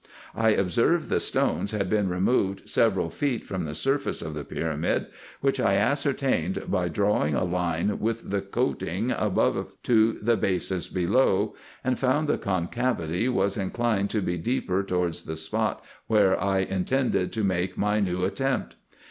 1 observed the stones had been removed several feet from the surface of the pyra IN EGYPT, NUBIA, &c. 267 mid, which I ascertained by drawing a line with the coating above to the basis below, and found the concavity was inclined to be deeper towards the spot where I intended to make my new at tempt.